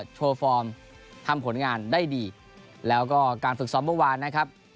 ทำผลงานได้ดีแล้วก็การฝึกซ้อมเมื่อวานนะครับ